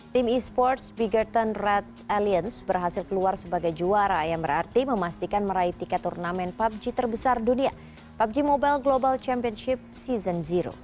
tim e sports bigerton red aliens berhasil keluar sebagai juara yang berarti memastikan meraih tiga turnamen pubg terbesar dunia pubg mobile global championship season